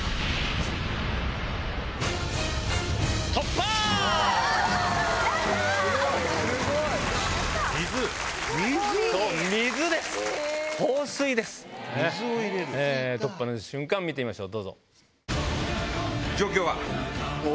突破の瞬間見てみましょう。